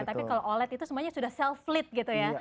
tapi kalau oled itu semuanya sudah self lead gitu ya